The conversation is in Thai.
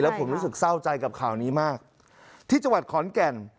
ผมรู้สึกเศร้าใจกับข่าวนี้มากที่จังหวัดขอนแก่น